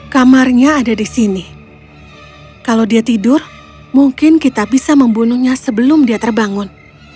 kamarnya ada di sini kalau dia tidur mungkin kita bisa membunuhnya sebelum dia terbangun